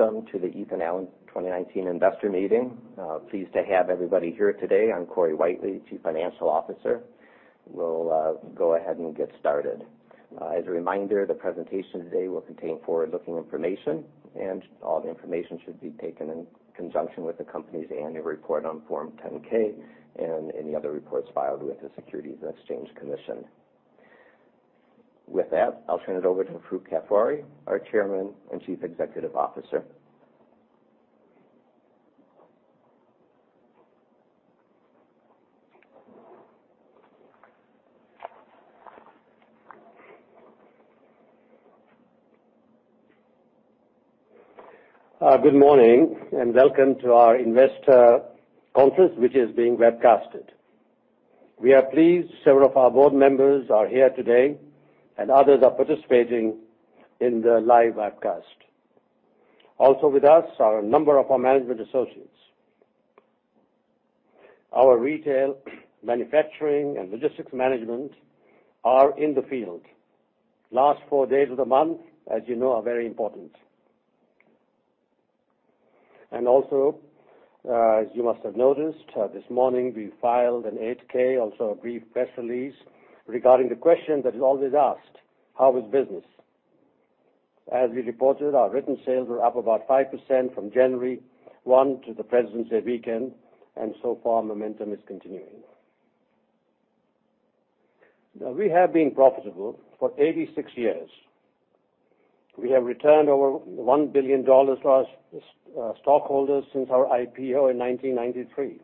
Welcome to the Ethan Allen 2019 Investor Meeting. Pleased to have everybody here today. I'm Corey Whitely, Chief Financial Officer. We'll go ahead and get started. As a reminder, the presentation today will contain forward-looking information, all the information should be taken in conjunction with the company's Annual Report on Form 10-K and any other reports filed with the Securities and Exchange Commission. With that, I'll turn it over to Farooq Kathwari, our Chairman and Chief Executive Officer. Good morning, welcome to our investor conference, which is being webcasted. We are pleased several of our board members are here today and others are participating in the live webcast. Also with us are a number of our management associates. Our retail, manufacturing, and logistics management are in the field. Last four days of the month, as you know, are very important. Also, as you must have noticed, this morning we filed an 8-K, also a brief press release regarding the question that is always asked: How was business? As we reported, our written sales were up about 5% from January 1 to the Presidents' Day weekend. So far momentum is continuing. We have been profitable for 86 years. We have returned over $1 billion to our stockholders since our IPO in 1993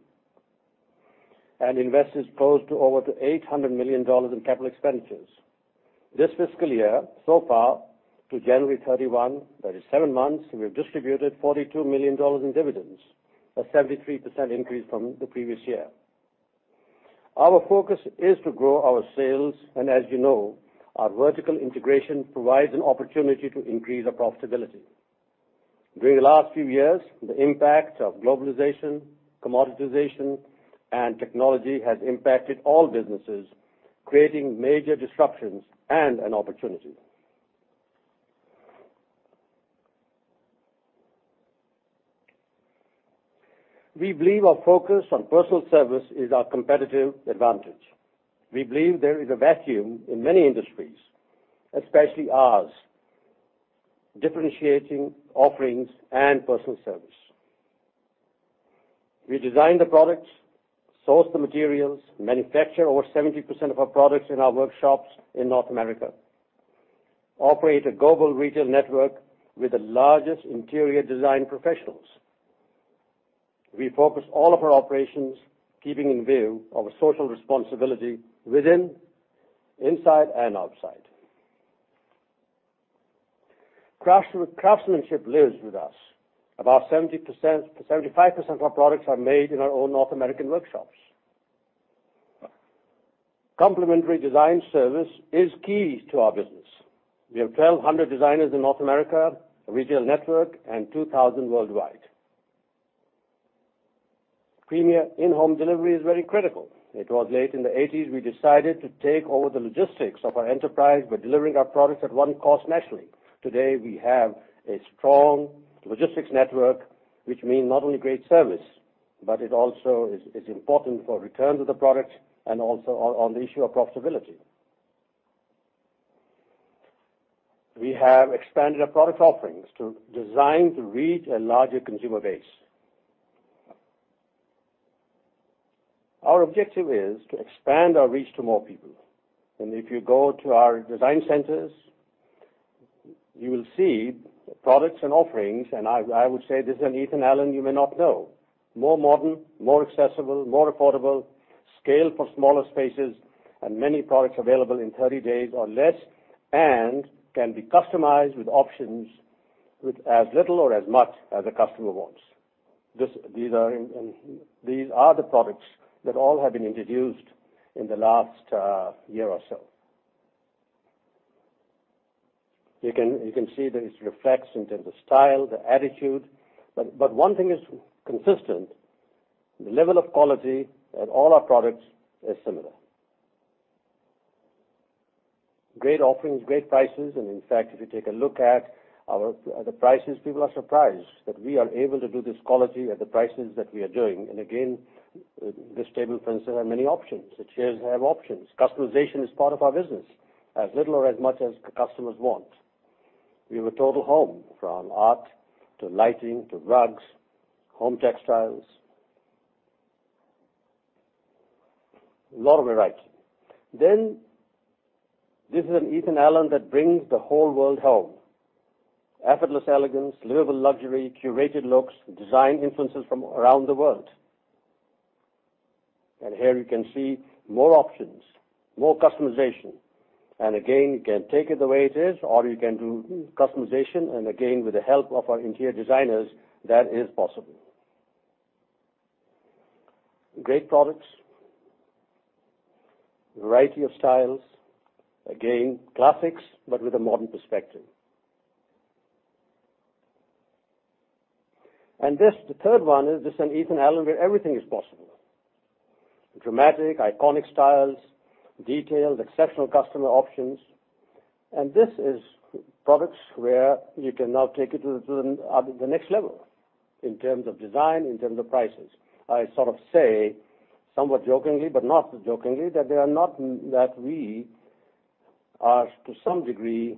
and invested close to $800 million in capital expenditures. This fiscal year, so far, to January 31, that is seven months, we've distributed $42 million in dividends. A 73% increase from the previous year. Our focus is to grow our sales. As you know, our vertical integration provides an opportunity to increase our profitability. During the last few years, the impact of globalization, commoditization, and technology has impacted all businesses, creating major disruptions and an opportunity. We believe our focus on personal service is our competitive advantage. We believe there is a vacuum in many industries, especially ours, differentiating offerings and personal service. We design the products, source the materials, manufacture over 70% of our products in our workshops in North America, operate a global retail network with the largest interior design professionals. We focus all of our operations, keeping in view our social responsibility within, inside, and outside. Craftsmanship lives with us. About 75% of our products are made in our own North American workshops. Complementary design service is key to our business. We have 1,200 designers in North America, a retail network, and 2,000 worldwide. Premier in-home delivery is very critical. It was late in the '80s, we decided to take over the logistics of our enterprise by delivering our products at one cost nationally. Today, we have a strong logistics network, which means not only great service, but it also is important for return to the product and also on the issue of profitability. We have expanded our product offerings to design to reach a larger consumer base. Our objective is to expand our reach to more people. If you go to our design centers, you will see products and offerings, and I would say this is an Ethan Allen you may not know. More modern, more accessible, more affordable, scaled for smaller spaces, and many products available in 30 days or less, and can be customized with options with as little or as much as a customer wants. These are the products that all have been introduced in the last year or so. You can see this reflects in terms of style, the attitude. One thing is consistent, the level of quality at all our products is similar. Great offerings, great prices, and in fact, if you take a look at the prices, people are surprised that we are able to do this quality at the prices that we are doing. Again, this table has many options. The chairs have options. Customization is part of our business, as little or as much as customers want. We have a total home, from art to lighting, to rugs, home textiles. A lot of variety. This is an Ethan Allen that brings the whole world home. Effortless elegance, livable luxury, curated looks, design influences from around the world. Here you can see more options, more customization. Again, you can take it the way it is, or you can do customization. Again, with the help of our interior designers, that is possible. Great products, variety of styles. Again, classics, but with a modern perspective. This, the third one, is this an Ethan Allen where everything is possible. Dramatic, iconic styles, detailed, exceptional customer options. These are products where you can now take it to the next level in terms of design, in terms of prices. I sort of say, somewhat jokingly but not jokingly, that we are, to some degree,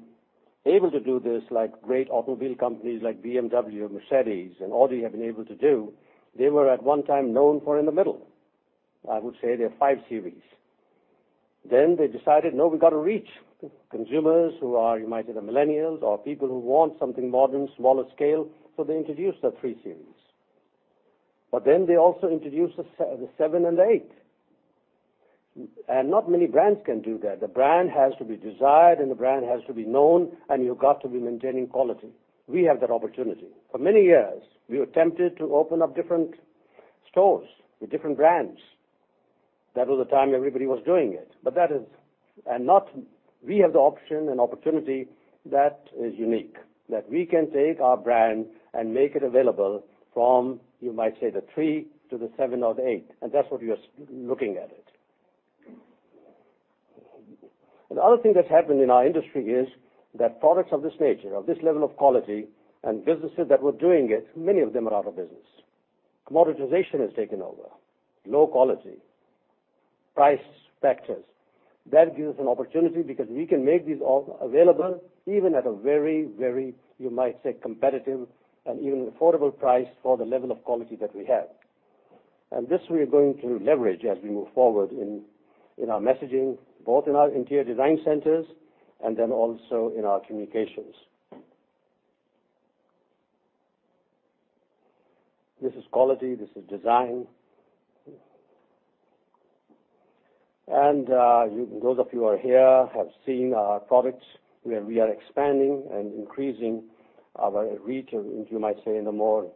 able to do this like great automobile companies like BMW or Mercedes and Audi have been able to do. They were at one time known for in the middle. I would say their 5 Series. They decided, "No, we've got to reach consumers who are," you might say, "the millennials or people who want something modern, smaller scale," so they introduced the 3 Series. They also introduced the 7 Series and 8 Series. Not many brands can do that. The brand has to be desired, and the brand has to be known, and you've got to be maintaining quality. We have that opportunity. For many years, we attempted to open up different stores with different brands. That was the time everybody was doing it. We have the option and opportunity that is unique. That we can take our brand and make it available from, you might say, the three to the seven or the eight, and that's what we are looking at it. Another thing that's happened in our industry is that products of this nature, of this level of quality, and businesses that were doing it, many of them are out of business. Commoditization has taken over. Low quality, price factors. That gives us an opportunity because we can make these all available, even at a very, you might say, competitive and even affordable price for the level of quality that we have. This we are going to leverage as we move forward in our messaging, both in our interior design centers and then also in our communications. This is quality. This is design. Those of you who are here have seen our products, where we are expanding and increasing our reach in, you might say, in a more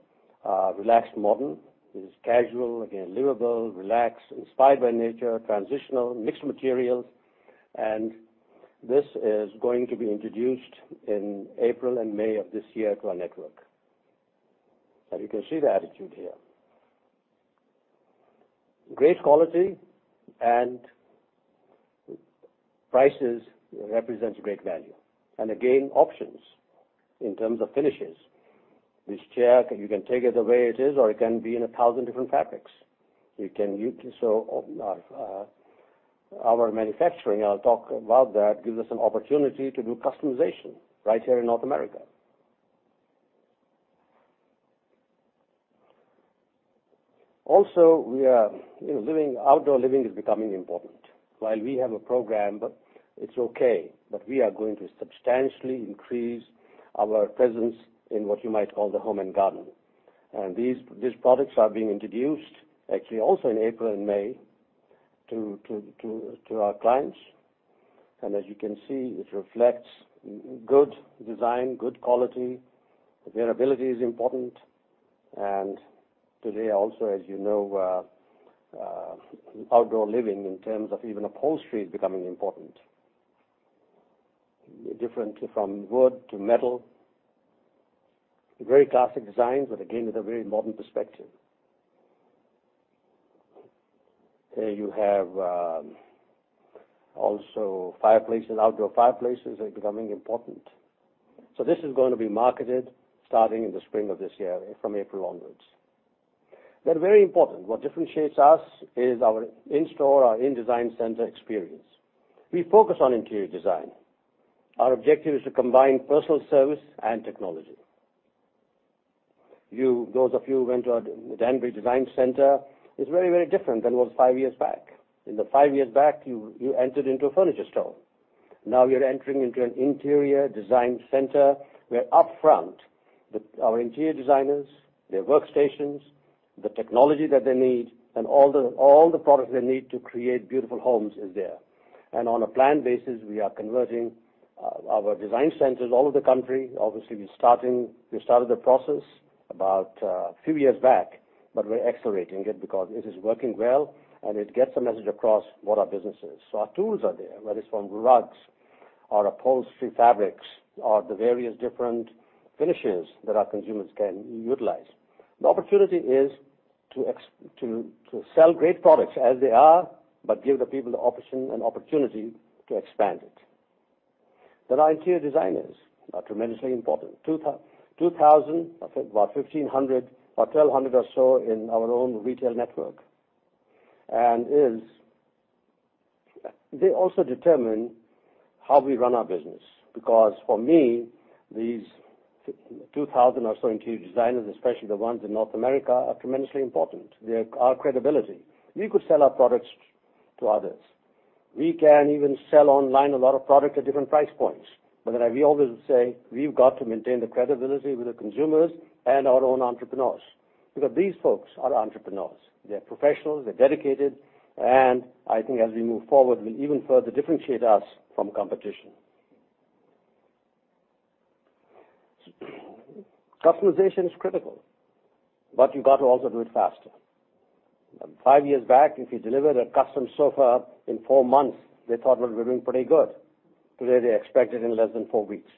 Relaxed Modern. It is casual, again, livable, relaxed, inspired by nature, transitional, mixed materials. This is going to be introduced in April and May of this year to our network. You can see the attitude here. Great quality and prices represents great value. Again, options in terms of finishes. This chair, you can take it the way it is, or it can be in 1,000 different fabrics. Our manufacturing, I will talk about that, gives us an opportunity to do customization right here in North America. Also, outdoor living is becoming important. While we have a program, it is okay. We are going to substantially increase our presence in what you might call the home and garden. These products are being introduced actually also in April and May to our clients. As you can see, it reflects good design, good quality. Durability is important. Today also, as you know, outdoor living in terms of even upholstery is becoming important. Different from wood to metal. Very classic designs, but again, with a very modern perspective. Here you have also fireplaces. Outdoor fireplaces are becoming important. This is going to be marketed starting in the spring of this year from April onwards. Very important, what differentiates us is our in-store, our In Design Center experience. We focus on interior design. Our objective is to combine personal service and technology. Those of you who went to our Danbury Design Center, it is very different than it was five years back. In the five years back, you entered into a furniture store. Now you are entering into an interior design center where upfront, our interior designers, their workstations, the technology that they need, and all the products they need to create beautiful homes is there. On a planned basis, we are converting our design centers all over the country. Obviously, we started the process about a few years back, but we are accelerating it because it is working well, and it gets the message across what our business is. Our tools are there, whether it is from rugs or upholstery fabrics or the various different finishes that our consumers can utilize. The opportunity is to sell great products as they are but give the people the option and opportunity to expand it. Our interior designers are tremendously important. 2,000, I think, about 1,500 or 1,200 or so in our own retail network. They also determine how we run our business. Because for me, these 2,000 or so interior designers, especially the ones in North America, are tremendously important. They are our credibility. We could sell our products to others. We can even sell online a lot of product at different price points. We always say, "We have got to maintain the credibility with the consumers and our own entrepreneurs." Because these folks are entrepreneurs. They are professionals, they are dedicated, and I think as we move forward, will even further differentiate us from competition. Customization is critical, but you got to also do it faster. Five years back, if you delivered a custom sofa in four months, they thought, "Well, we are doing pretty good." Today, they expect it in less than four weeks.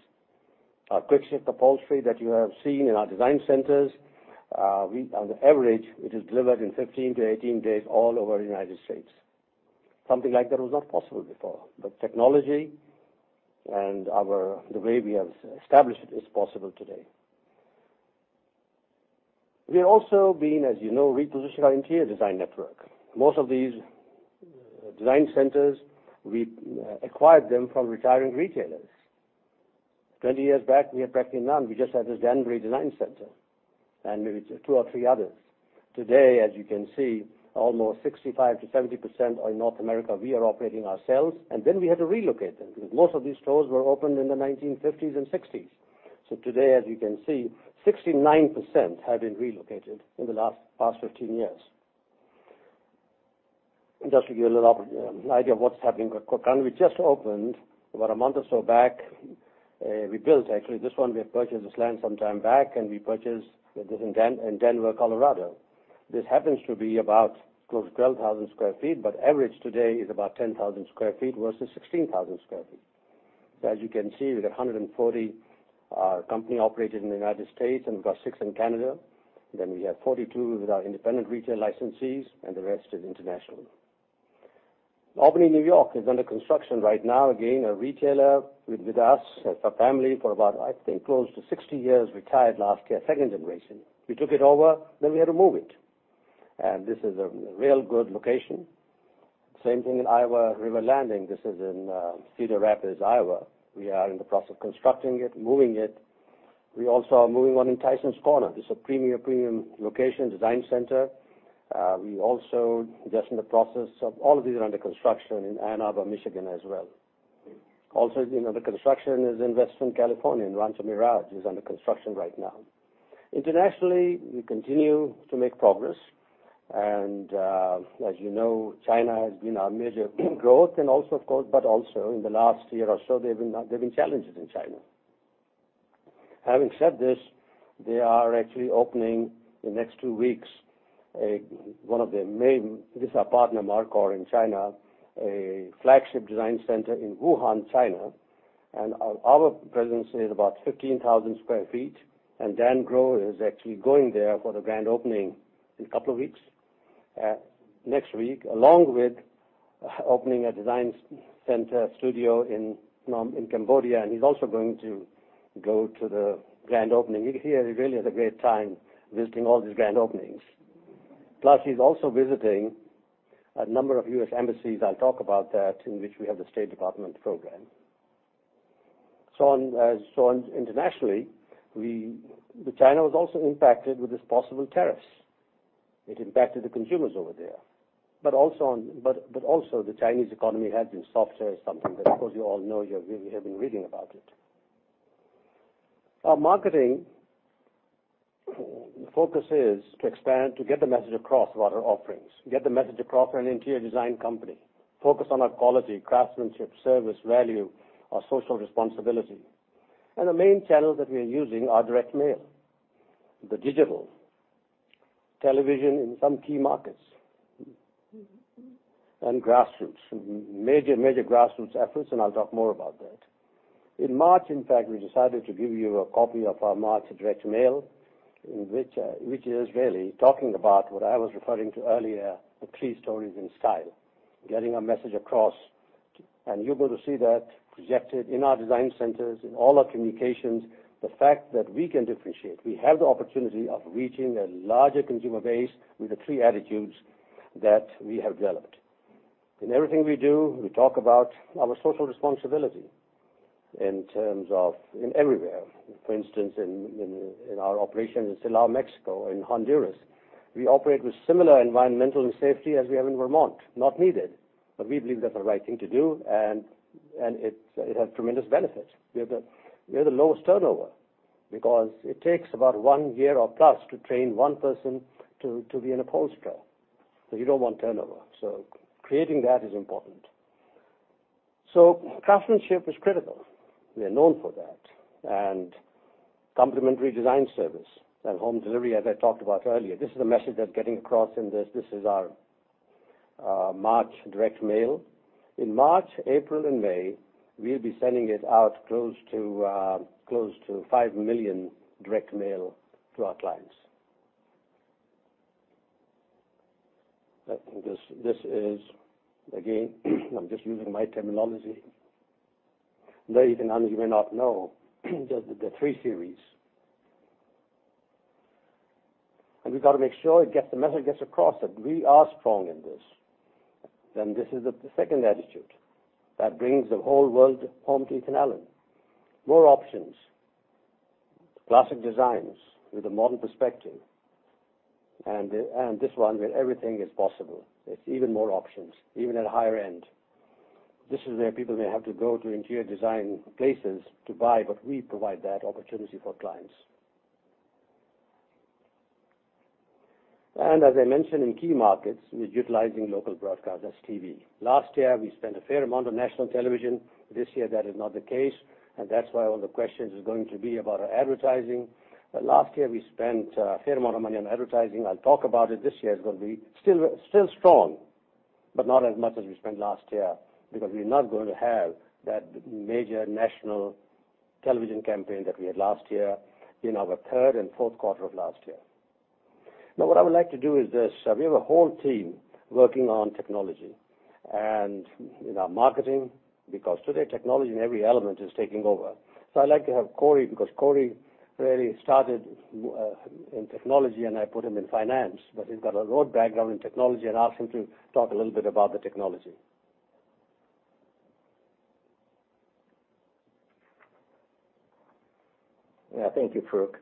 Our quick-ship upholstery that you have seen in our design centers. On the average, it is delivered in 15-18 days all over the United States. Technology and the way we have established it, is possible today. We have also been, as you know, repositioning our interior design network. Most of these design centers, we acquired them from retiring retailers. 20 years back, we had practically none. We just had this Danbury Design Center, and maybe two or three others. Today, as you can see, almost 65%-70% are in North America, we are operating ourselves. We had to relocate them, because most of these stores were opened in the 1950s and '60s. Today, as you can see, 69% have been relocated in the last 15 years. Just to give you a little idea of what's happening with Corcoran. We just opened, about a month or so back, we built, actually, this one, we had purchased this land some time back. We purchased this in Denver, Colorado. This happens to be about close to 12,000 sq ft, average today is about 10,000 sq ft versus 16,000 sq ft. As you can see, we got 140 company-operated in the U.S., and we've got six in Canada. We have 42 with our independent retail licensees, and the rest is international. Albany, New York is under construction right now. Again, a retailer with us, as a family, for about, I think close to 60 years, retired last year, second generation. We took it over, we had to move it. This is a real good location. Same thing in Iowa, River Landing. This is in Cedar Rapids, Iowa. We are in the process of constructing it, moving it. We also are moving one in Tysons Corner. This is a premier premium location design center. We also just in the process of all of these are under construction in Ann Arbor, Michigan. Also, in Western California, in Rancho Mirage, is under construction right now. Internationally, we continue to make progress. As you know, China has been our major growth and also, of course, but also in the last year or so, there've been challenges in China. Having said this, they are actually opening, in the next two weeks, one of their main, this is our partner, Markor, in China, a flagship design center in Wuhan, China. Our presence is about 15,000 sq ft. Dan Growe is actually going there for the grand opening in a couple of weeks. Next week, along with opening a design center studio in Cambodia, he's also going to go to the grand opening. He really has a great time visiting all these grand openings. Plus, he's also visiting a number of U.S. embassies, I'll talk about that, in which we have the State Department program. On internationally, China was also impacted with this possible tariffs. It impacted the consumers over there. The Chinese economy has been softer, something that, of course, you all know. You have been reading about it. Our marketing focus is to expand to get the message across about our offerings, get the message across we're an interior design company. Focus on our quality, craftsmanship, service, value, our social responsibility. The main channels that we are using are direct mail, the digital, television in some key markets, and grassroots. I'll talk more about that. In March, in fact, we decided to give you a copy of our March direct mail, which is really talking about what I was referring to earlier, the three stories in style. Getting our message across. You're going to see that projected in our design centers, in all our communications. The fact that we can differentiate, we have the opportunity of reaching a larger consumer base with the three attitudes that we have developed. In everything we do, we talk about our social responsibility in terms of in everywhere. For instance, in our operations in Silao, Mexico, in Honduras. We operate with similar environmental and safety as we have in Vermont. Not needed, we believe that's the right thing to do, and it has tremendous benefits. We have the lowest turnover because it takes about one year or plus to train one person to be an upholsterer. You don't want turnover. Creating that is important. Craftsmanship is critical. We are known for that. Complementary design service and home delivery, as I talked about earlier. This is the message they're getting across in this. This is our March direct mail. In March, April, and May, we'll be sending it out close to 5 million direct mail to our clients. This is again, I'm just using my terminology. Many of you may not know the three series. We've got to make sure the message gets across, that we are strong in this. This is the second attitude. That brings the whole world home to Ethan Allen. More options. Classic designs with a modern perspective. This one, where everything is possible. It's even more options, even at a higher end. This is where people may have to go to interior design places to buy, we provide that opportunity for clients. As I mentioned, in key markets, we're utilizing local broadcast, that's TV. Last year, we spent a fair amount on national television. This year, that is not the case, and that's why all the questions is going to be about our advertising. Last year, we spent a fair amount of money on advertising. I'll talk about it. This year is going to be still strong, but not as much as we spent last year, because we're not going to have that major national television campaign that we had last year in our Q3 and Q4 of last year. What I would like to do is this. We have a whole team working on technology and in our marketing, because today, technology in every element is taking over. I'd like to have Corey, because Corey really started in technology, and I put him in finance. He's got a broad background in technology, and ask him to talk a little bit about the technology. Yeah. Thank you, Farooq.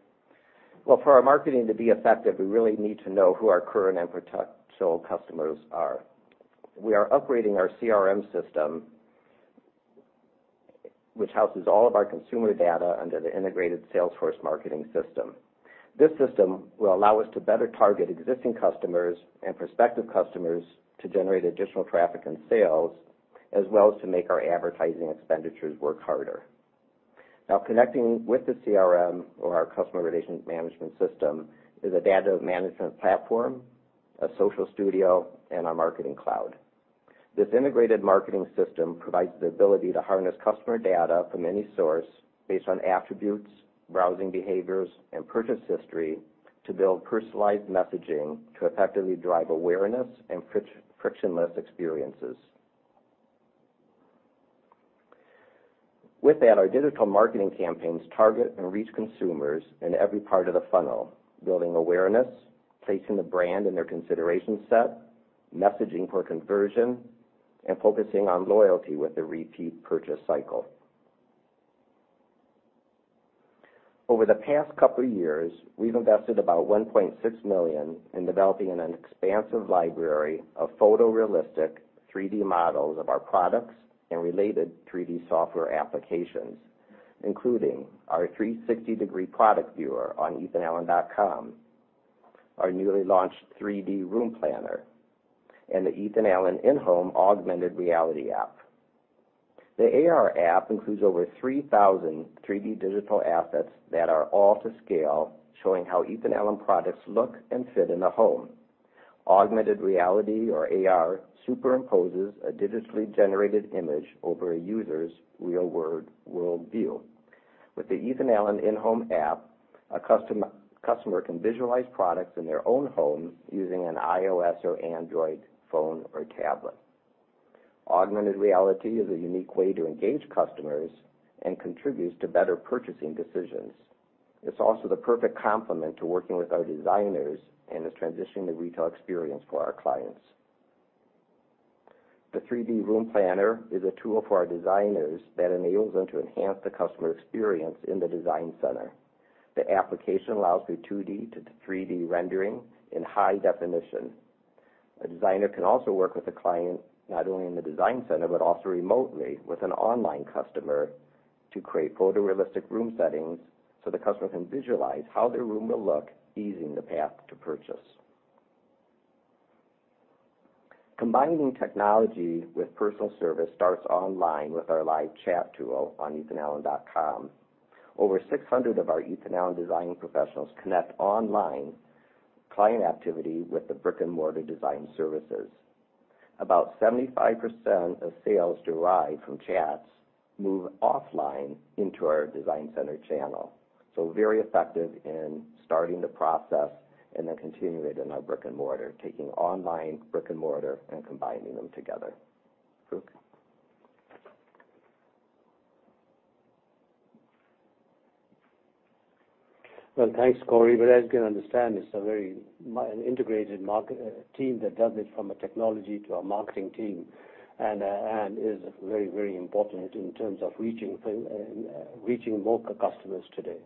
Well, for our marketing to be effective, we really need to know who our current and potential customers are. We are upgrading our CRM system, which houses all of our consumer data under the integrated Salesforce marketing system. This system will allow us to better target existing customers and prospective customers to generate additional traffic and sales, as well as to make our advertising expenditures work harder. Connecting with the CRM or our customer relations management system, is a data management platform, a social studio, and our marketing cloud. This integrated marketing system provides the ability to harness customer data from any source based on attributes, browsing behaviors, and purchase history to build personalized messaging to effectively drive awareness and frictionless experiences. With that, our digital marketing campaigns target and reach consumers in every part of the funnel, building awareness, placing the brand in their consideration set, messaging for conversion, and focusing on loyalty with the repeat purchase cycle. Over the past couple of years, we've invested about $1.6 million in developing an expansive library of photorealistic 3D models of our products and related 3D software applications, including our 360-degree product viewer on ethanallen.com, our newly launched 3D Room Planner, and the Ethan Allen inHome Augmented Reality app. The AR app includes over 3,000 3D digital assets that are all to scale, showing how Ethan Allen products look and fit in the home. Augmented reality or AR superimposes a digitally generated image over a user's real-world view. With the Ethan Allen inHome app, a customer can visualize products in their own home using an iOS or Android phone or tablet. Augmented reality is a unique way to engage customers and contributes to better purchasing decisions. It's also the perfect complement to working with our designers and is transitioning the retail experience for our clients. The 3D Room Planner is a tool for our designers that enables them to enhance the customer experience in the design center. The application allows the 2D-3D rendering in high definition. A designer can also work with a client, not only in the design center, but also remotely with an online customer to create photorealistic room settings so the customer can visualize how their room will look, easing the path to purchase. Combining technology with personal service starts online with our live chat tool on ethanallen.com. Over 600 of our Ethan Allen design professionals connect online client activity with the brick-and-mortar design services. About 75% of sales derived from chats move offline into our design center channel. Very effective in starting the process and then continuing it in our brick-and-mortar, taking online, brick-and-mortar, and combining them together. Farooq. Thanks, Corey. As you can understand, it's an integrated team that does it from a technology to our marketing team, and is very, very important in terms of reaching more customers today.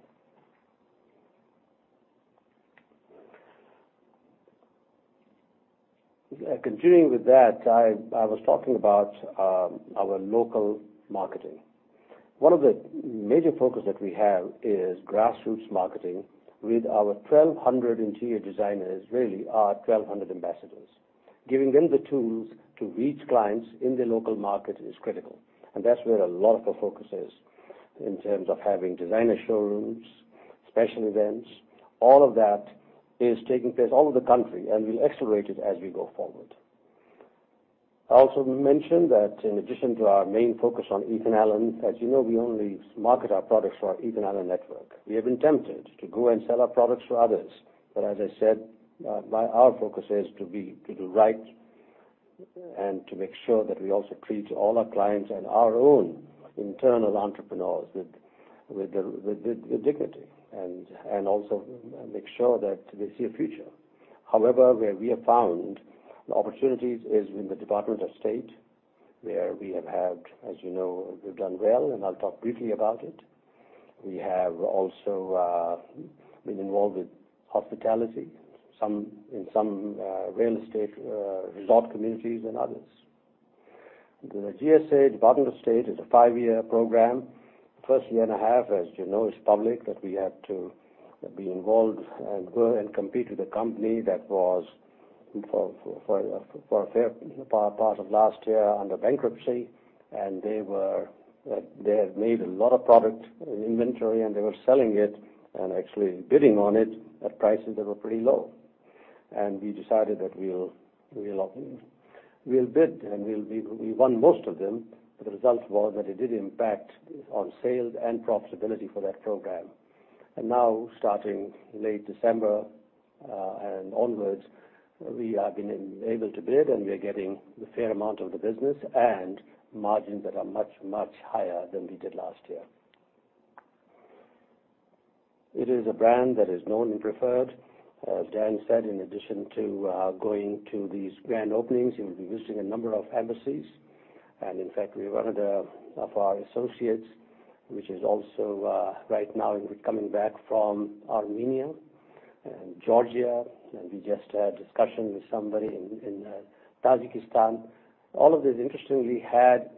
Continuing with that, I was talking about our local marketing. One of the major focuses that we have is grassroots marketing with our 1,200 interior designers, really our 1,200 ambassadors. Giving them the tools to reach clients in their local market is critical, and that's where a lot of the focus is in terms of having designer showrooms, special events. All of that is taking place all over the country, and we'll accelerate it as we go forward. I also mentioned that in addition to our main focus on Ethan Allen, as you know, we only market our products to our Ethan Allen network. We have been tempted to go and sell our products to others. As I said, our focus is to do right and to make sure that we also treat all our clients and our own internal entrepreneurs with dignity, and also make sure that they see a future. However, where we have found the opportunities is in the Department of State, where we have had, as you know, we've done well, and I'll talk briefly about it. We have also been involved with hospitality, in some real estate resort communities and others. The GSA, Department of State is a five-year program. First year and a half, as you know, is public, that we have to be involved and go and compete with a company that was, for a fair part of last year, under bankruptcy. They had made a lot of product inventory, and they were selling it and actually bidding on it at prices that were pretty low. We decided that we'll bid, and we won most of them, but the result was that it did impact on sales and profitability for that program. Now starting late December and onwards, we have been able to bid, and we are getting a fair amount of the business and margins that are much, much higher than we did last year. It is a brand that is known and preferred. As Dan said, in addition to going to these grand openings, he will be visiting a number of embassies. In fact, one of our associates, which is also right now coming back from Armenia and Georgia, and we just had a discussion with somebody in Tajikistan. All of these, interestingly, had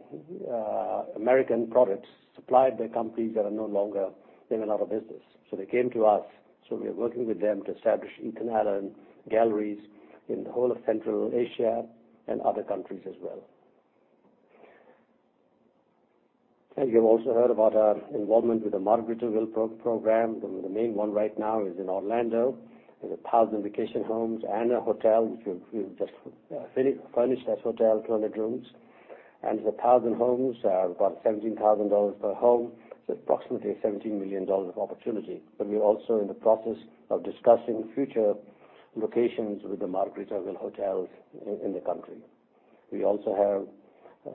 American products supplied by companies that are no longer in and out of business. They came to us. We are working with them to establish Ethan Allen Galleries in the whole of Central Asia and other countries as well. You've also heard about our involvement with the Margaritaville program. The main one right now is in Orlando. There's 1,000 vacation homes and a hotel, which we've just furnished as hotel, 200 rooms. The 1,000 homes are about $17,000 per home, so approximately $17 million of opportunity. We're also in the process of discussing future locations with the Margaritaville hotels in the country. We also have some contract. We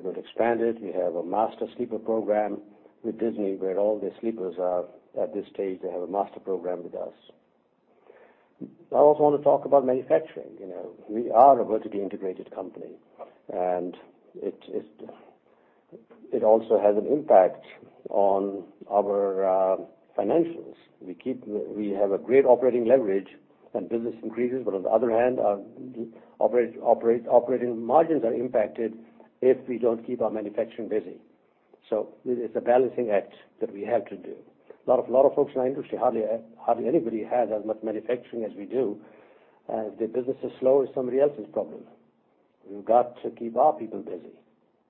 will expand it. We have a master sleeper program with Disney, where all the sleepers are. At this stage, they have a master program with us. I also want to talk about manufacturing. We are a vertically integrated company, it also has an impact on our financials. We have a great operating leverage and business increases, on the other hand, our operating margins are impacted if we don't keep our manufacturing busy. It's a balancing act that we have to do. A lot of folks in our industry, hardly anybody has as much manufacturing as we do. If the business is slow, it's somebody else's problem. We've got to keep our people busy.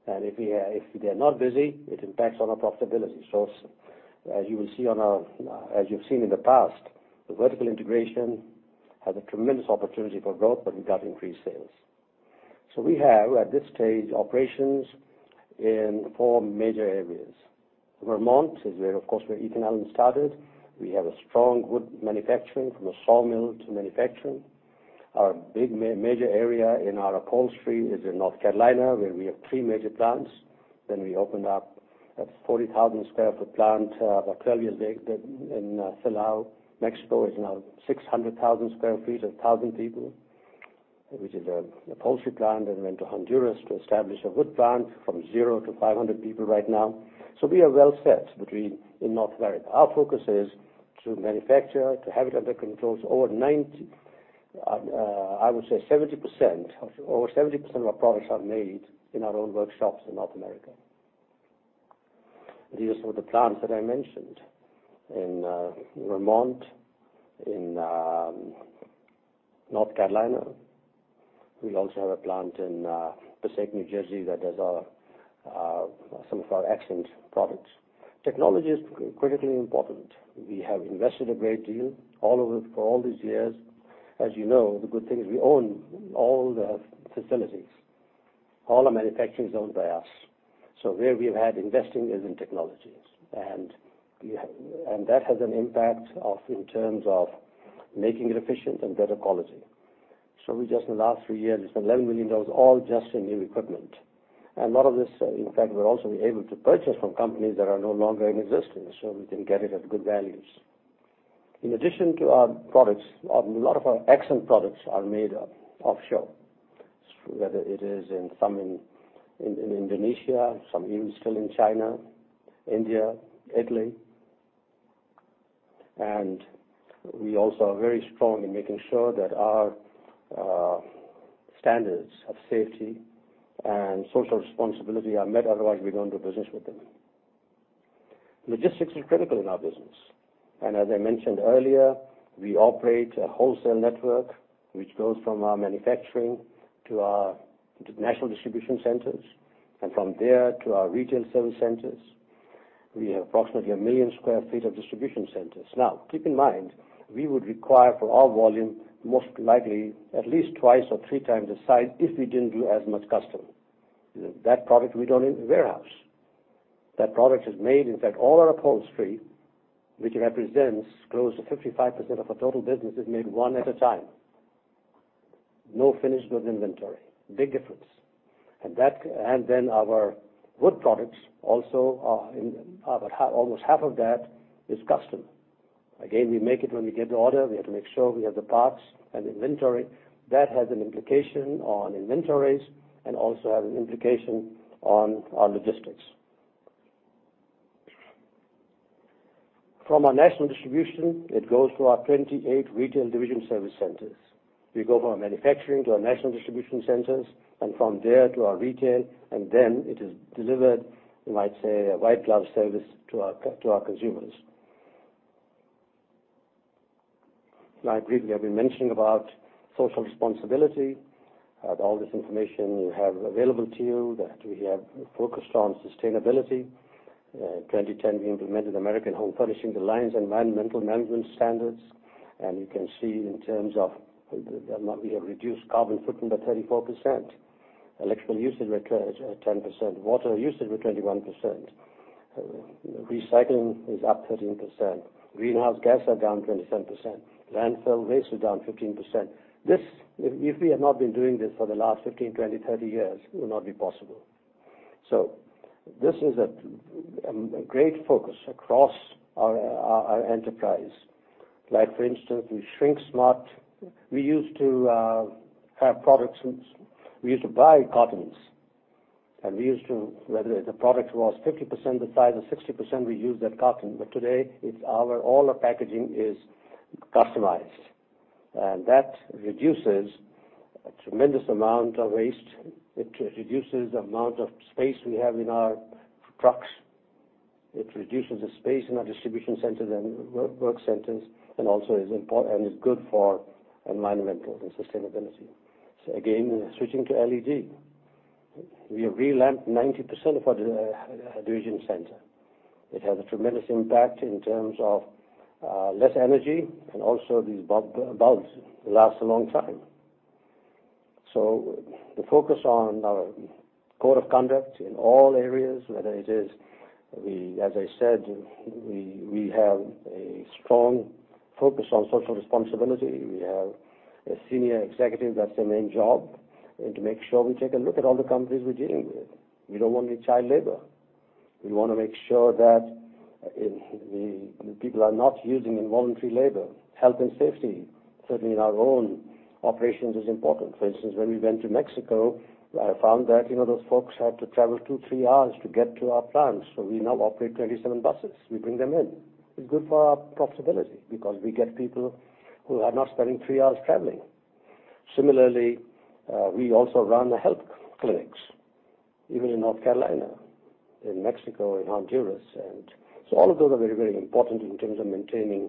If they're not busy, it impacts on our profitability. As you've seen in the past, the vertical integration has a tremendous opportunity for growth, we've got increased sales. We have, at this stage, operations in four major areas. Vermont is where, of course, where Ethan Allen started. We have a strong wood manufacturing from a sawmill to manufacturing. Our big major area in our upholstery is in North Carolina, where we have three major plants. We opened up a 40,000 sq ft plant, Valparaiso in Silao, Mexico is now 600,000 sq ft, 1,000 people, which is an upholstery plant, and went to Honduras to establish a wood plant from zero-500 people right now. We are well set in North America. Our focus is to manufacture, to have it under control. Over 70% of our products are made in our own workshops in North America. These are some of the plants that I mentioned. In Vermont, in North Carolina. We also have a plant in Passaic, New Jersey, that does some of our accent products. Technology is critically important. We have invested a great deal for all these years. As you know, the good thing is we own all the facilities. All our manufacturing is owned by us. Where we've had investing is in technologies. That has an impact in terms of making it efficient and better quality. We just, in the last three years, spent $11 million all just in new equipment. A lot of this, in fact, we're also able to purchase from companies that are no longer in existence, so we can get it at good values. In addition to our products, a lot of our accent products are made offshore. Whether it is in Indonesia, some even still in China, India, Italy. We also are very strong in making sure that our standards of safety and social responsibility are met. Otherwise, we don't do business with them. Logistics is critical in our business. As I mentioned earlier, we operate a wholesale network which goes from our manufacturing to our national distribution centers, and from there to our retail service centers. We have approximately 1 million sq ft of distribution centers. Now, keep in mind, we would require for our volume, most likely at least 2x or 3x the size if we didn't do as much custom. That product, we don't even warehouse. That product is made, in fact, all our upholstery, which represents close to 55% of our total business, is made one at a time. No finished goods inventory. Big difference. Our wood products also, almost half of that is custom. Again, we make it when we get the order. We have to make sure we have the parts and inventory. That has an implication on inventories and also has an implication on our logistics. From our national distribution, it goes to our 28 retail division service centers. We go from our manufacturing to our national distribution centers and from there to our retail, then it is delivered, you might say, a white glove service to our consumers. I briefly have been mentioning about social responsibility. All this information you have available to you, that we have focused on sustainability. 2010, we implemented American Home Furnishings Alliance environmental management standards. You can see in terms of the amount we have reduced carbon footprint by 34%, electrical usage by 10%, water usage by 21%. Recycling is up 13%. Greenhouse gas are down 27%. Landfill waste is down 15%. If we had not been doing this for the last 15, 20, 30 years, it would not be possible. This is a great focus across our enterprise. For instance, with Shrink Smart, we used to buy cottons. Whether the product was 50% the size or 60%, we used that cotton. Today, all our packaging is customized. That reduces a tremendous amount of waste. It reduces the amount of space we have in our trucks. It reduces the space in our distribution centers and work centers, and is good for environmental and sustainability. Again, switching to LED. We have re-lamped 90% of our distribution center. It has a tremendous impact in terms of less energy, and also these bulbs last a long time. The focus on our code of conduct in all areas, whether it is, as I said, we have a strong focus on social responsibility. We have a Senior Executive, that's their main job, and to make sure we take a look at all the companies we're dealing with. We don't want any child labor. We want to make sure that the people are not using involuntary labor. Health and safety, certainly in our own operations, is important. For instance, when we went to Mexico, I found that those folks had to travel two, three hours to get to our plants. We now operate 27 buses. We bring them in. It's good for our profitability because we get people who are not spending three hours traveling. Similarly, we also run the health clinics, even in North Carolina, in Mexico, in Honduras. All of those are very, very important in terms of maintaining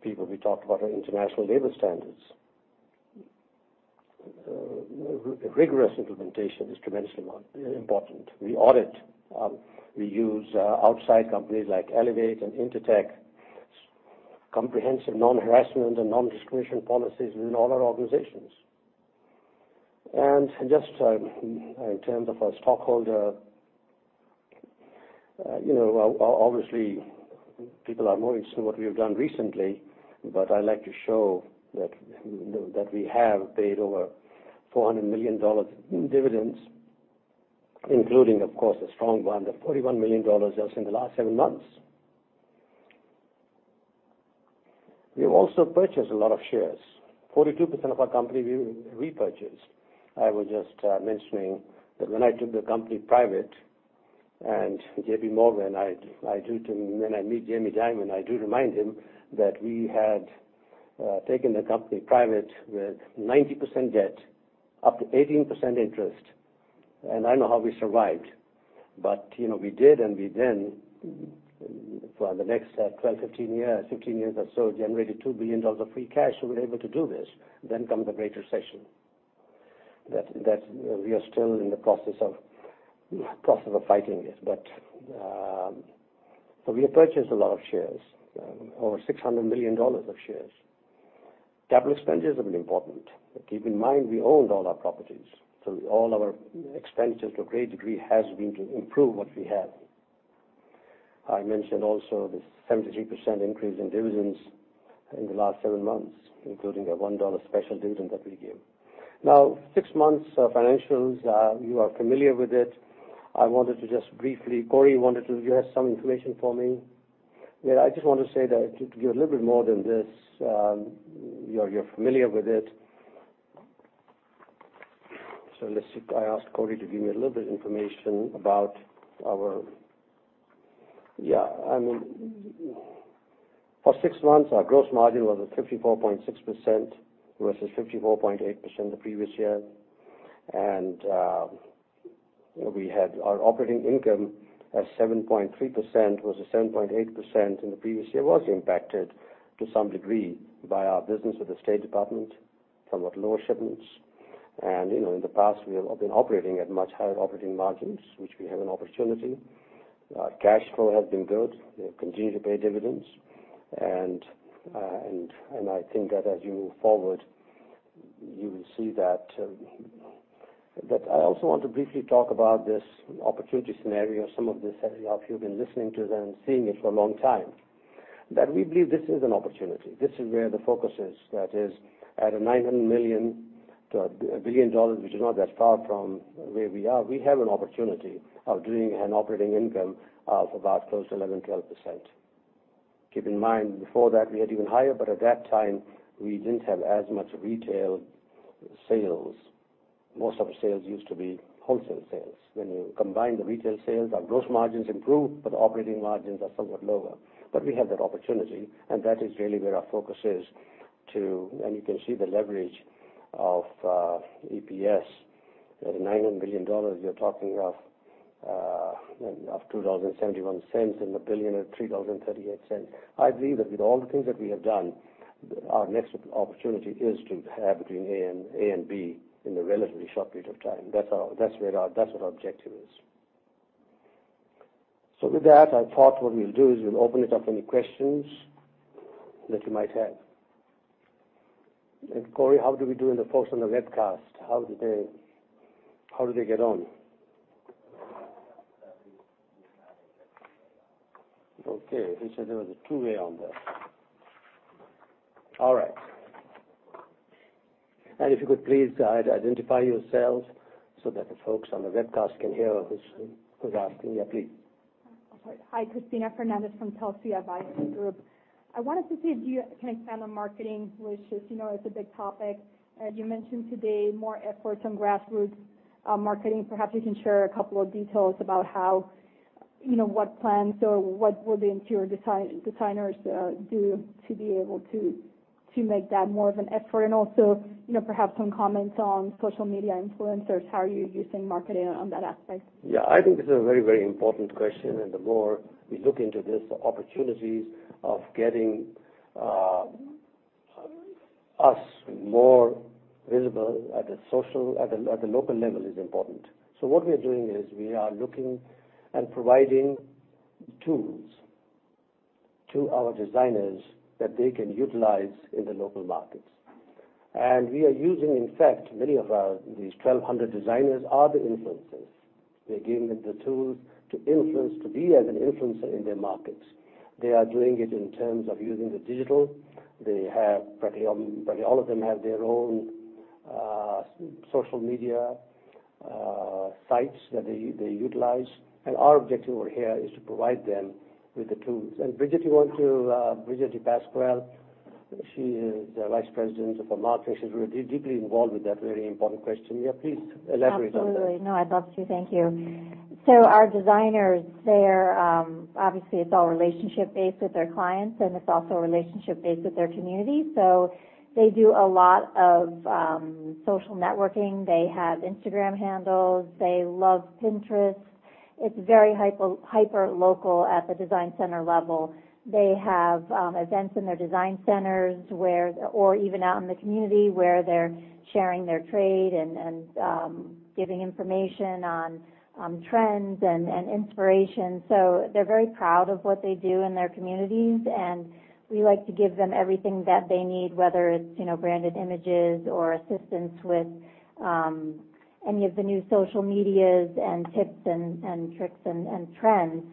people. We talked about our international labor standards. Rigorous implementation is tremendously important. We audit. We use outside companies like Elevate and Intertek, comprehensive non-harassment and non-discrimination policies in all our organizations. Just in terms of our stockholder, obviously, people are more interested in what we've done recently, I like to show that we have paid over $400 million in dividends, including, of course, a strong one, the $41 million just in the last seven months. We have also purchased a lot of shares. 42% of our company, we repurchased. I was just mentioning that when I took the company private, and J.P. Morgan, when I meet Jamie Dimon, I do remind him that we had taken the company private with 90% debt, up to 18% interest, and I know how we survived. We did, and we then, for the next 12, 15 years or so, generated $2 billion of free cash, we're able to do this. Comes the great recession, that we are still in the process of fighting it. We have purchased a lot of shares, over $600 million of shares. Capital expenditures have been important. Keep in mind, we owned all our properties, so all our expenditures, to a great degree, has been to improve what we have. I mentioned also this 73% increase in dividends in the last seven months, including a $1 special dividend that we gave. Six months of financials, you are familiar with it. I wanted to just briefly. Corey, you have some information for me? I just want to say that to give a little bit more than this. You're familiar with it. Let's see. I asked Corey to give me a little bit information about our. For six months, our gross margin was at 54.6% versus 54.8% the previous year. Our operating income at 7.3% was at 7.8% in the previous year. Was impacted to some degree by our business with the State Department, somewhat lower shipments. In the past, we have been operating at much higher operating margins, which we have an opportunity. Our cash flow has been good. We have continued to pay dividends. I think that as you move forward, you will see that. I also want to briefly talk about this opportunity scenario, some of this, as you have been listening to and seeing it for a long time, that we believe this is an opportunity. This is where the focus is. That is at a $900 million-$1 billion, which is not that far from where we are. We have an opportunity of doing an operating income of about close to 11%-12%. Keep in mind, before that we had even higher, but at that time, we didn't have as much retail sales. Most of our sales used to be wholesale sales. When you combine the retail sales, our gross margins improve, but operating margins are somewhat lower. We have that opportunity, and that is really where our focus is, too. You can see the leverage of EPS. At $900 million, you're talking of $2.71, and $1 billion at $30.38. I believe that with all the things that we have done, our next opportunity is to have between A and B in a relatively short period of time. That's what our objective is. With that, I thought what we'll do is we'll open it up for any questions that you might have. Corey, how did we do in the folks on the webcast? How did they get on? Okay. He said there was a two-way on there. All right. If you could please identify yourselves so that the folks on the webcast can hear who's asking. Please. I'm sorry. Hi, Cristina Fernández from Telsey Advisory Group. I wanted to see if you can expand on marketing, which is a big topic. You mentioned today more efforts on grassroots marketing. Perhaps you can share a couple of details about what plans or what will the interior designers do to be able to make that more of an effort. Also, perhaps some comments on social media influencers. How are you using marketing on that aspect? Yeah, I think this is a very important question, the more we look into this, the opportunities of getting us more visible at the local level is important. What we are doing is we are looking and providing tools to our designers that they can utilize in the local markets. We are using, in fact, many of these 1,200 designers are the influencers. We are giving them the tools to be as an influencer in their markets. They are doing it in terms of using the digital. All of them have their own social media sites that they utilize, our objective over here is to provide them with the tools. Bridget DePasquale, she is the Vice President of Marketing. She's deeply involved with that very important question. Yeah, please elaborate on that. Absolutely. No, I'd love to. Thank you. Our designers, obviously, it's all relationship-based with their clients, and it's also relationship-based with their community, so they do a lot of social networking. They have Instagram handles. They love Pinterest. It's very hyper-local at the design center level. They have events in their design centers or even out in the community where they're sharing their trade and giving information on trends and inspiration. They're very proud of what they do in their communities, and we like to give them everything that they need, whether it's branded images or assistance with any of the new social medias and tips and tricks and trends.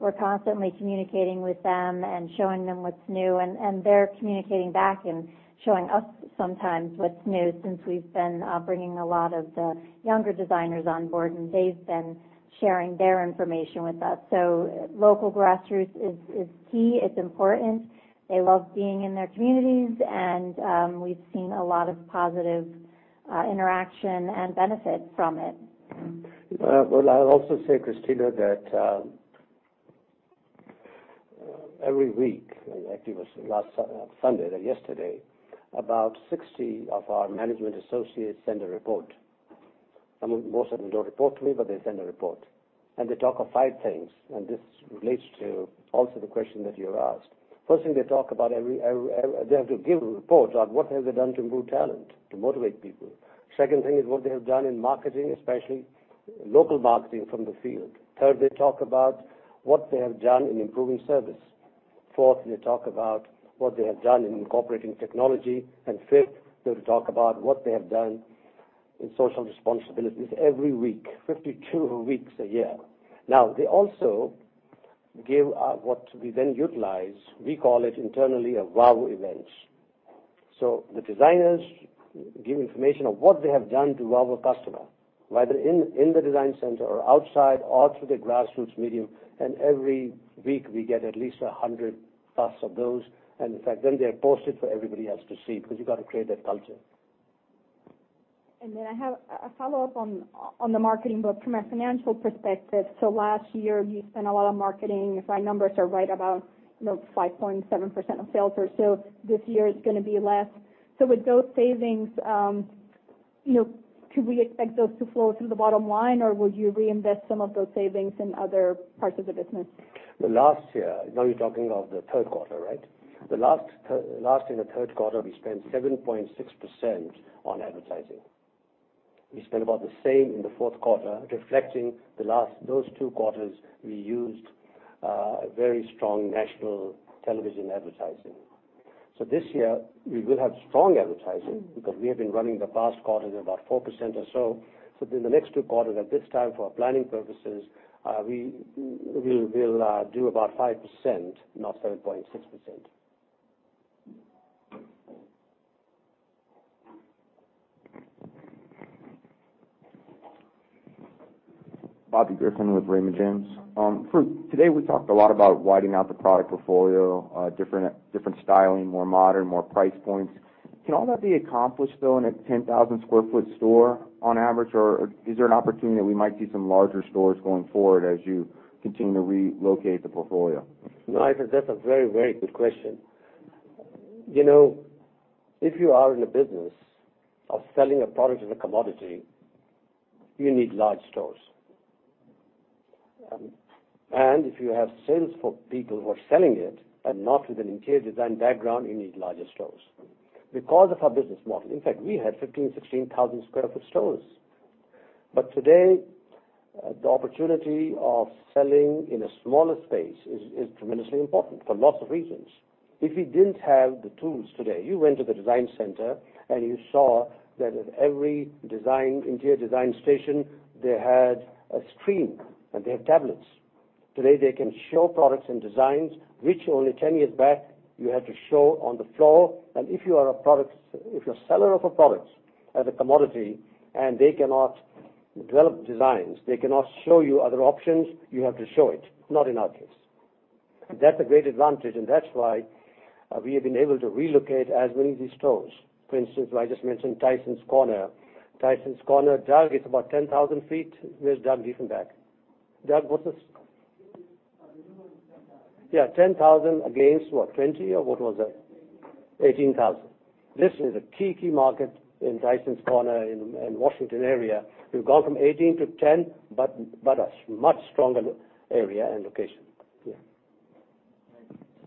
We're constantly communicating with them and showing them what's new, and they're communicating back and showing us sometimes what's new, since we've been bringing a lot of the younger designers on board, and they've been sharing their information with us. Local grassroots is key. It's important. They love being in their communities, and we've seen a lot of positive interaction and benefit from it. Well, I'll also say, Cristina, that every week, and actually it was last Sunday, yesterday, about 60 of our management associates send a report. Most of them don't report to me, but they send a report, and they talk of five things, and this relates to also the question that you have asked. First thing, they have to give a report on what have they done to improve talent, to motivate people. Second thing is what they have done in marketing, especially local marketing from the field. Third, they talk about what they have done in improving service. Fourth, they talk about what they have done in incorporating technology, and fifth, they talk about what they have done in social responsibilities. Every week, 52 weeks a year. They also give what we then utilize, we call it internally a wow event. The designers give information on what they have done to wow the customer, whether in the design center or outside or through the grassroots medium, and every week we get at least 100+ of those. In fact, they are posted for everybody else to see, because you got to create that culture. I have a follow-up on the marketing, but from a financial perspective. Last year, you spent a lot on marketing. If my numbers are right, about 5.7% of sales or so. This year, it's going to be less. With those savings, could we expect those to flow through the bottom line, or would you reinvest some of those savings in other parts of the business? The last year. You're talking of the Q3, right? Last in the Q3, we spent 7.6% on advertising. We spent about the same in the Q4, reflecting those two quarters, we used a very strong national television advertising. This year, we will have strong advertising because we have been running the past quarter at about 4% or so. In the next two quarters, at this time, for planning purposes, we'll do about 5%, not 7.6%. Bobby Griffin with Raymond James. For today, we talked a lot about widening out the product portfolio, different styling, more modern, more price points. Can all that be accomplished though, in a 10,000 sq ft store on average, or is there an opportunity that we might see some larger stores going forward as you continue to relocate the portfolio? No, I think that's a very good question. If you are in a business of selling a product as a commodity, you need large stores. If you have sales for people who are selling it and not with an interior design background, you need larger stores. Because of our business model, in fact, we had 15,000, 16,000 sq ft stores. Today, the opportunity of selling in a smaller space is tremendously important for lots of reasons. If we didn't have the tools today, you went to the design center and you saw that at every interior design station, they had a screen, and they have tablets. Today they can show products and designs, which only 10 years back, you had to show on the floor. If you're a seller of a product as a commodity and they cannot develop designs, they cannot show you other options, you have to show it. Not in our case. That's a great advantage, and that's why we have been able to relocate as many of these stores. For instance, I just mentioned Tysons Corner. Tysons Corner, Doug, it's about 10,000 ft. Where's Doug Dieffenbach? Doug, the new one is 10,000. Yeah, 10,000 against what, 20, or what was it? 18,000. This is a key market in Tysons Corner in Washington area. We've gone from 18-10, but a much stronger area and location. Yeah.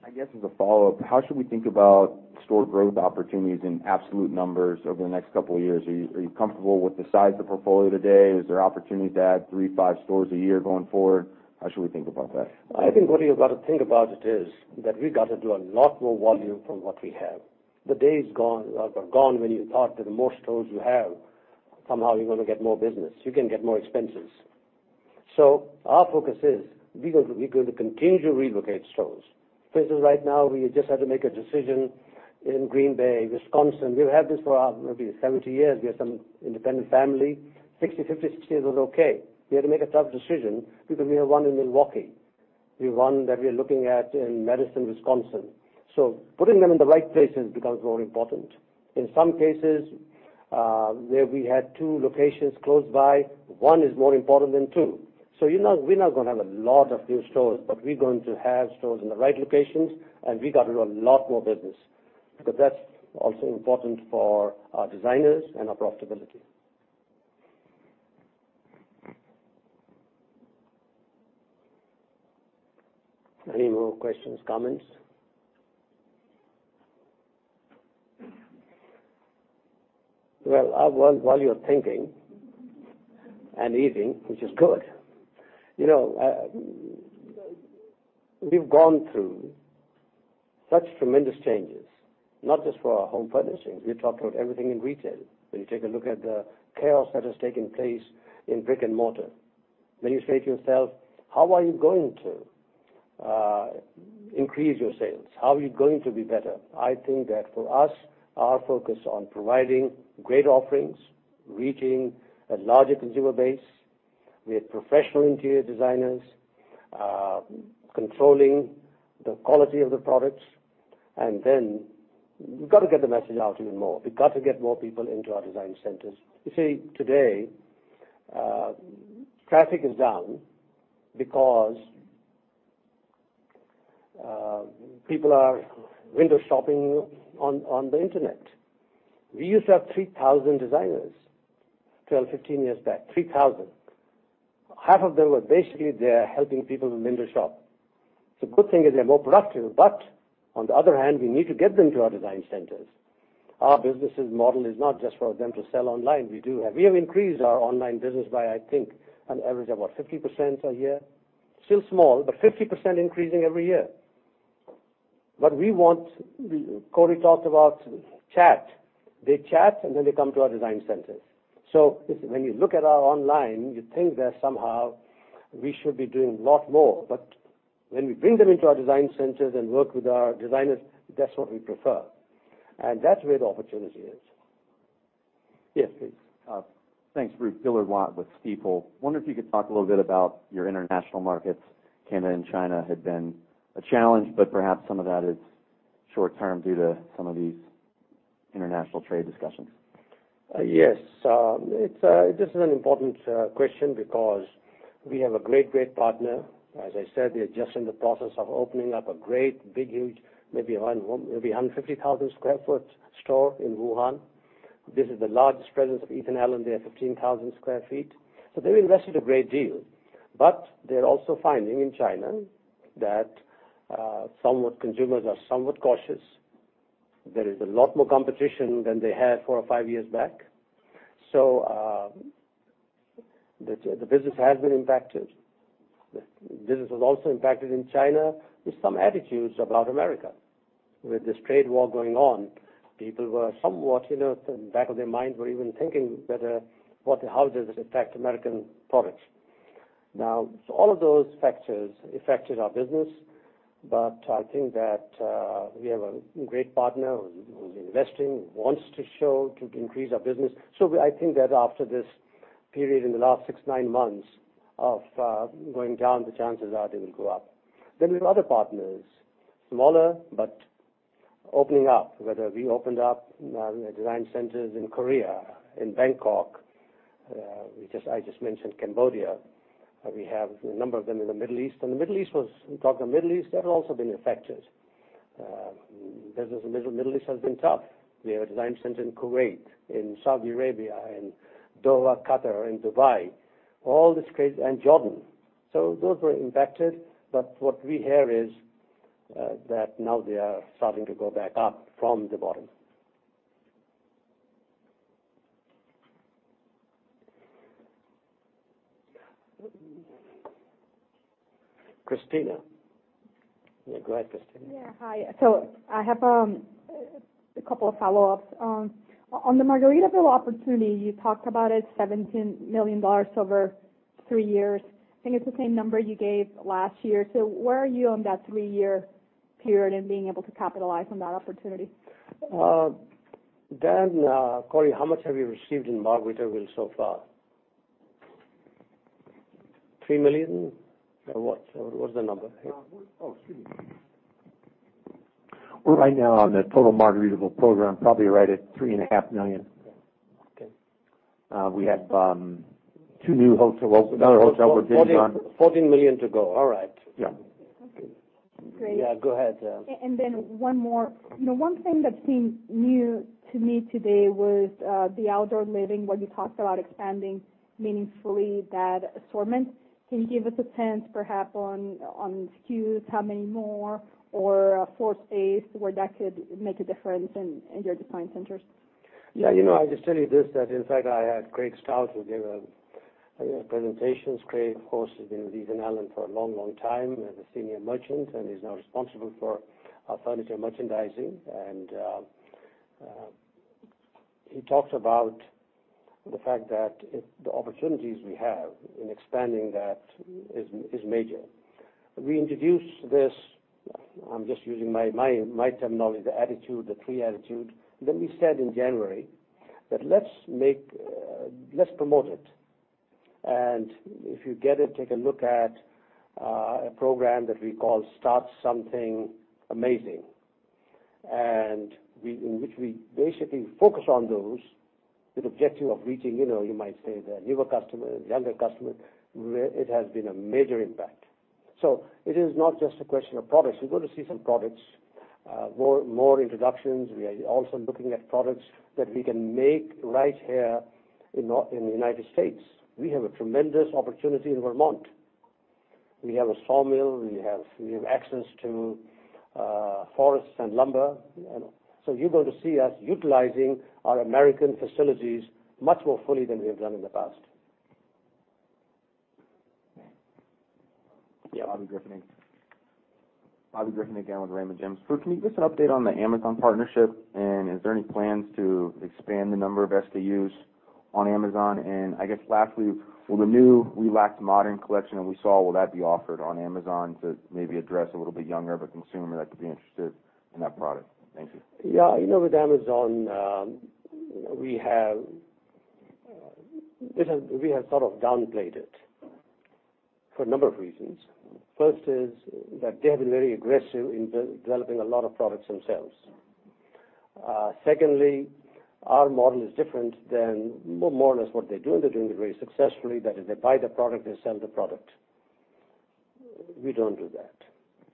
I guess as a follow-up, how should we think about store growth opportunities in absolute numbers over the next couple of years? Are you comfortable with the size of the portfolio today? Is there opportunity to add three, five stores a year going forward? How should we think about that? I think what you've got to think about it is that we got to do a lot more volume from what we have. The day is gone when you thought that the more stores you have, somehow you're going to get more business. You can get more expenses. Our focus is, we're going to continue to relocate stores. For instance, right now, we just had to make a decision in Green Bay, Wisconsin. We've had this for maybe 70 years. We have some independent family. 50, 60 years was okay. We had to make a tough decision because we have one in Milwaukee. We have one that we are looking at in Madison, Wisconsin. Putting them in the right places becomes more important. In some cases, where we had two locations close by, one is more important than two. We're not going to have a lot of new stores, but we're going to have stores in the right locations, and we got to do a lot more business. That's also important for our designers and our profitability. Any more questions, comments? While you're thinking and eating, which is good. We've gone through such tremendous changes, not just for our home furnishings. We talked about everything in retail. When you take a look at the chaos that has taken place in brick and mortar. When you say to yourself, how are you going to increase your sales? How are you going to be better? I think that for us, our focus on providing great offerings, reaching a larger consumer base with professional interior designers, controlling the quality of the products, and then we've got to get the message out even more. We've got to get more people into our design centers. You see, today, traffic is down because people are window shopping on the internet. We used to have 3,000 designers 12, 15 years back. 3,000. Half of them were basically there helping people window shop. A good thing is they're more productive, but on the other hand, we need to get them to our design centers. Our business' model is not just for them to sell online. We have increased our online business by, I think, an average of what? 50% a year. Still small, but 50% increasing every year. Corey talked about chat. They chat, and then they come to our design centers. When you look at our online, you think that somehow we should be doing a lot more. When we bring them into our design centers and work with our designers, that's what we prefer. That's where the opportunity is. Yes, please. Thanks, Farooq. Dillard Watt with Stifel. Wonder if you could talk a little bit about your international markets. Canada and China had been a challenge, but perhaps some of that is short-term due to some of these international trade discussions. Yes. This is an important question because we have a great partner. As I said, they're just in the process of opening up a great, big, huge, maybe 150,000 sq ft store in Wuhan. This is the largest presence of Ethan Allen. They are 15,000 sq ft. They've invested a great deal. They're also finding in China that consumers are somewhat cautious. There is a lot more competition than they had four or five years back. The business has been impacted. The business was also impacted in China with some attitudes about America. With this trade war going on, people were somewhat, in the back of their minds, were even thinking better, how does it affect American products? All of those factors affected our business, but I think that we have a great partner who's investing, who wants to show to increase our business. I think that after this period in the last six, nine months of going down, the chances are they will go up. We have other partners, smaller, but opening up, whether we opened up design centers in Korea, in Bangkok. I just mentioned Cambodia. We have a number of them in the Middle East. We talk of Middle East, they've also been affected. Business in Middle East has been tough. We have a design center in Kuwait, in Saudi Arabia, in Doha, Qatar, in Dubai, all these cases, and Jordan. Those were impacted. What we hear is that now they are starting to go back up from the bottom. Cristina. Yeah, go ahead, Cristina. Yeah. Hi. I have a couple of follow-ups. On the Margaritaville opportunity, you talked about it, $17 million over three years. I think it's the same number you gave last year. Where are you on that three-year period in being able to capitalize on that opportunity? Daniel M. Grow, Corey Whitely, how much have you received in Margaritaville so far? $3 million, or what? What was the number? Oh, excuse me. We're right now on the total Margaritaville program, probably right at $3.5 Million. Okay. We have two new hotel- $14 million to go. All right. Yeah. Okay. Great. Yeah, go ahead. One more. One thing that seemed new to me today was the outdoor living, where you talked about expanding meaningfully that assortment. Can you give us a sense perhaps on SKUs, how many more, or floor space where that could make a difference in your design centers? Yeah. I'll just tell you this, that in fact, I had Craig Stout, who gave a presentations. Craig, of course, has been with Ethan Allen for a long, long time as a senior merchant, and he's now responsible for our furniture merchandising. He talked about the fact that the opportunities we have in expanding that is major. We introduced this, I'm just using my terminology, the attitude, the three attitude. We said in January that, "Let's promote it." If you get it, take a look at a program that we call Start Something Amazing, in which we basically focus on those with objective of reaching, you might say, the newer customer, the younger customer. It has been a major impact. It is not just a question of products. You're going to see some products, more introductions. We are also looking at products that we can make right here in the United States. We have a tremendous opportunity in Vermont. We have a sawmill. We have access to forests and lumber. You're going to see us utilizing our American facilities much more fully than we have done in the past. Okay. Yeah. Bobby Griffin again with Raymond James. Can you give us an update on the Amazon partnership? Is there any plans to expand the number of SKUs on Amazon? I guess lastly, will the new Relaxed Modern collection that we saw, will that be offered on Amazon to maybe address a little bit younger of a consumer that could be interested in that product? Thank you. Yeah. With Amazon, we have sort of downplayed it for a number of reasons. First is that they have been very aggressive in developing a lot of products themselves. Secondly, our model is different than more or less what they do, and they're doing it very successfully. That is, they buy the product, they sell the product. We don't do that.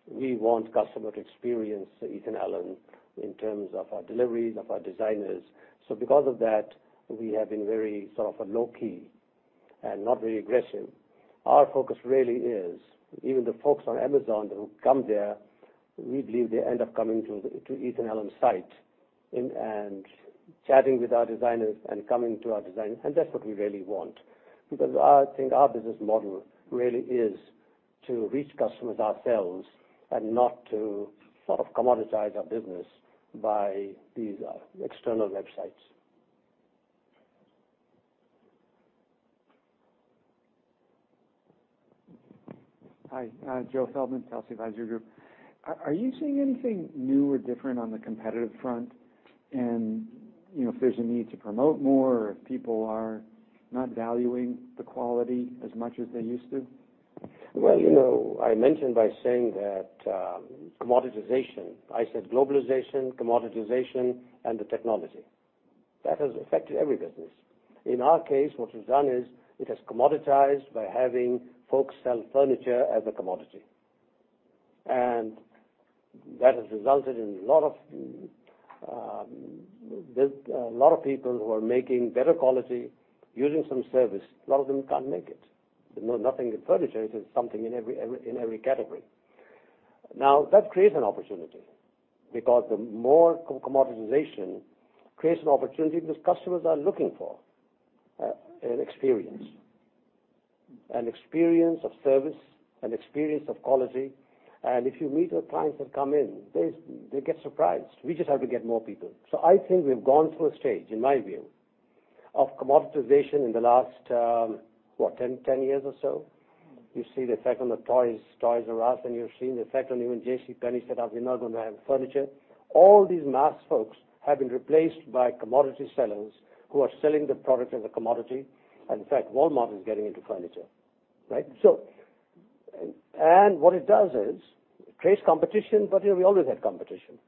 We want customer to experience Ethan Allen in terms of our deliveries, of our designers. Because of that, we have been very sort of a low-key and not very aggressive. Our focus really is, even the folks on Amazon who come there, we believe they end up coming to Ethan Allen site and chatting with our designers and coming to our design. That's what we really want. I think our business model really is to reach customers ourselves and not to sort of commoditize our business by these external websites. Hi. Joe Feldman, Telsey Advisory Group. Are you seeing anything new or different on the competitive front? If there's a need to promote more or if people are not valuing the quality as much as they used to? I mentioned by saying that commoditization. I said globalization, commoditization, and the technology. That has affected every business. In our case, what it's done is it has commoditized by having folks sell furniture as a commodity. That has resulted in a lot of people who are making better quality using some service. A lot of them can't make it. Nothing in furniture, it is something in every category. That creates an opportunity because the more commoditization creates an opportunity because customers are looking for an experience. An experience of service, an experience of quality. If you meet our clients that come in, they get surprised. We just have to get more people. I think we've gone through a stage, in my view, of commoditization in the last, what, 10 years or so. You see the effect on the Toys "R" Us, and you've seen the effect on even JCPenney set up. They're not going to have furniture. All these mass folks have been replaced by commodity sellers who are selling the product as a commodity. In fact, Walmart is getting into furniture. Right? What it does is creates competition. We always had competition.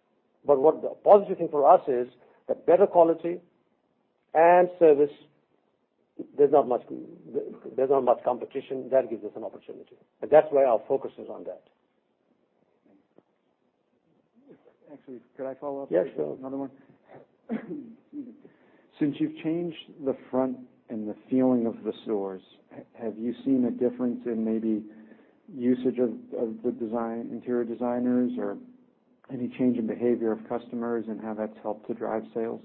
What the positive thing for us is that better quality and service, there's not much competition. That gives us an opportunity. That's why our focus is on that. Thanks. Actually, could I follow-up with- Yes, Joe Another one? Since you've changed the front and the feeling of the stores, have you seen a difference in maybe usage of the interior designers, or any change in behavior of customers and how that's helped to drive sales?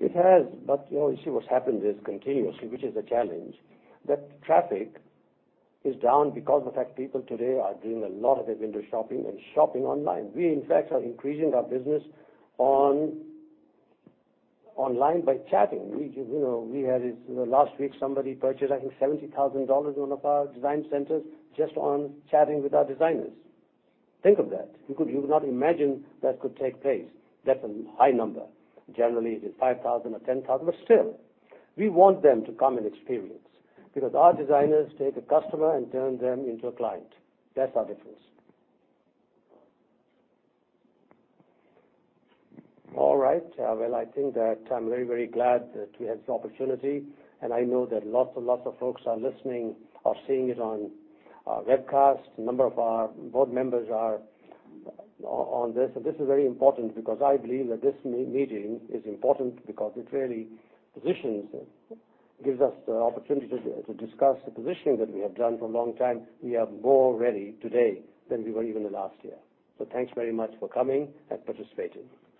It has, you see what's happened is continuously, which is a challenge, that traffic is down because the fact people today are doing a lot of their window shopping and shopping online. We, in fact, are increasing our business online by chatting. We had it in the last week, somebody purchased, I think, $70,000, one of our design centers, just on chatting with our designers. Think of that. You could not imagine that could take place. That's a high number. Generally, it is $5,000 or $10,000. Still, we want them to come and experience because our designers take a customer and turn them into a client. That's our difference. All right. I think that I'm very, very glad that we had this opportunity, and I know that lots and lots of folks are listening or seeing it on webcast. A number of our board members are on this. This is very important because I believe that this meeting is important because it really positions and gives us the opportunity to discuss the positioning that we have done for a long time. We are more ready today than we were even the last year. Thanks very much for coming and participating.